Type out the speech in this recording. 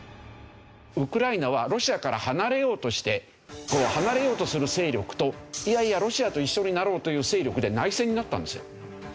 ウクライナはロシアから離れようとして離れようとする勢力といやいやロシアと一緒になろうという勢力で内戦になったんですよ。